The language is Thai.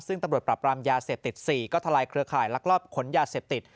ซึ่งตำรวจปรับรามยาเสพติด๔ก็ทลายเครือข่ายลักลอบขนยาเสพติด